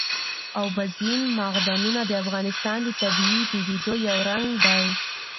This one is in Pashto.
اوبزین معدنونه د افغانستان د طبیعي پدیدو یو رنګ دی.